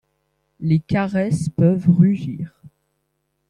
Les caresses peuvent rugir.